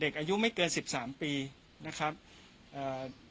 อายุไม่เกินสิบสามปีนะครับเอ่อ